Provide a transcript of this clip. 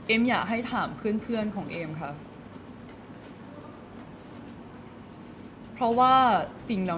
อันนี้ที่เขามีเสียงออกมาจากฟอร์มว่า